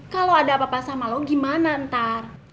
kalau ada apa apa sama lo gimana ntar